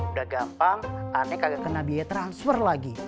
udah gampang anek agak kena biaya transfer lagi